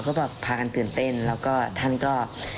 ก็แบบพากันตื่นเต้นแล้วก็ท่านก็